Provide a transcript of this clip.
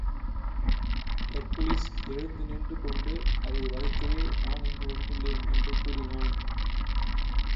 Hercules எழுந்து நின்றுகொண்டு, அதை வதைக்கவே நான் இங்கு வந்துள்ளேன்! என்று கூறினான்.